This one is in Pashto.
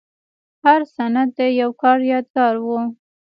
هر سند د یو کار یادګار و.